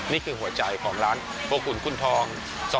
นี่คือหัวใจของร้านโบขุนคุณทอง